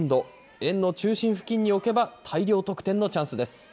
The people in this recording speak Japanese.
円の中心付近に置けば大量得点のチャンスです。